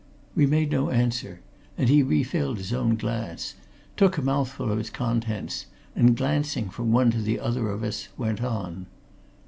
We made no answer, and he refilled his own glass, took a mouthful of its contents, and glancing from one to the other of us, went on.